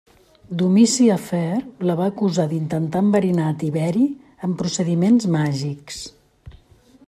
Domici Afer la va acusar d'intentar enverinar a Tiberi amb procediments màgics.